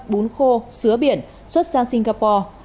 bún khô sứa biển xuất sang singapore